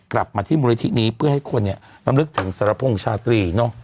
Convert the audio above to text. กลับมาที่มูลนิธินี้เพื่อให้คนเนี่ยลำลึกถึงสรพงษ์ชาตรี